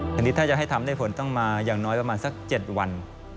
ทีนี้ถ้าจะให้ทำได้ผลต้องมาอย่างน้อยประมาณสัก๗วัน